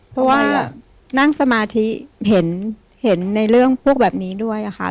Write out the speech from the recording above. เพราะว่านั่งสมาธิเห็นในเรื่องพวกแบบนี้ด้วยค่ะ